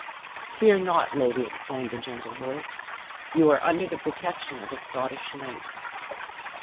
"Fear not, lady," exclaimed a gentle voice; "you are under the protection of a Scottish knight."